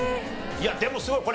いやでもすごい。